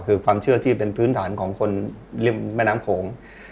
คือความเชื่อที่เป็นพื้นฐานของคนริมแม่น้ำโขง